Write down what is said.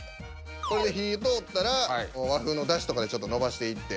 これで火通ったら和風のだしとかでのばしていって。